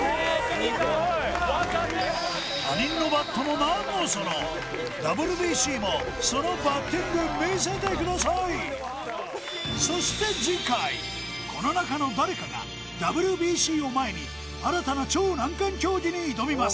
他人のバットも何のそのＷＢＣもそのバッティング見せてくださいそして次回この中の誰かがＷＢＣを前に新たな超難関競技に挑みます